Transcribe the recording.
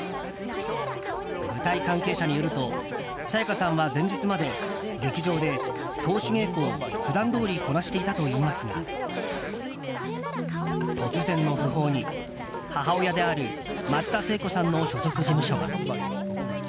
舞台関係者によると沙也加さんは前日まで劇場で通し稽古を普段どおりこなしていたといいますが突然の訃報に母親である松田聖子さんの所属事務所は。